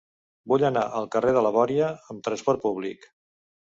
Vull anar al carrer de la Bòria amb trasport públic.